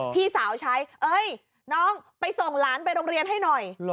พี่สาวใช้เอ้ยน้องไปส่งหลานไปโรงเรียนให้หน่อย